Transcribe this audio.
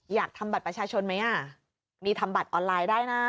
อยากทำบัตรประชาชนไหมอ่ะนี่ทำบัตรออนไลน์ได้นะ